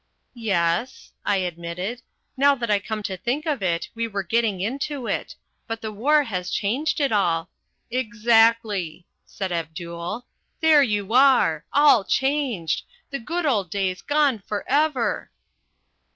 "Yes," I admitted. "Now that I come to think of it, we were getting into it. But the war has changed it all " "Exactly," said Abdul. "There you are! All changed! The good old days gone for ever!"